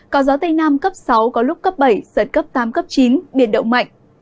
có gió tây nam cấp sáu có lúc cấp bảy giật cấp tám cấp chín biển động mạnh